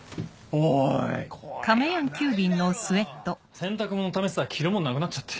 洗濯物ためてたら着るもんなくなっちゃって。